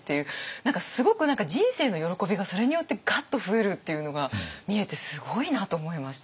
何かすごく人生の喜びがそれによってガッと増えるっていうのが見えてすごいなと思いました。